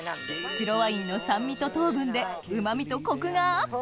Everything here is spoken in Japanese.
白ワインの酸味と糖分でうま味とコクがアップ！